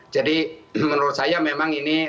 jadi menurut saya memang ini